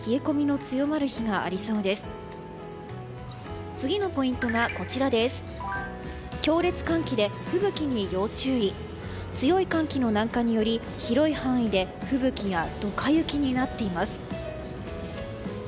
強い寒気の南下により広い範囲で吹雪やドカ雪になっています。